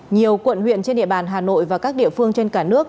nhiều quận huyện trên địa bàn hà nội và các địa phương trên cả nước